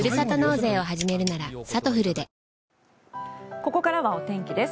ここからはお天気です。